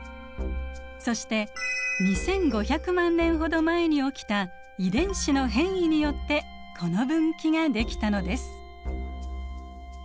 そして２，５００万年ほど前に起きた遺伝子の変異によってこの分岐ができたのです。